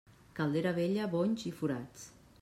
Caldera vella, bonys i forats.